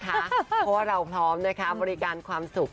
เพราะว่าเราพร้อมบริการความสุข